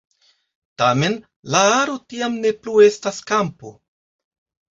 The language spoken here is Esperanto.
Tamen, la aro tiam ne plu estas kampo.